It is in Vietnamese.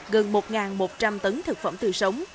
gần một một trăm linh tấn thực phẩm tươi sống